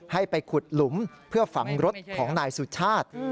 ให้ไปขุดหลุมเพื่อฝังรถของนายสุชาติ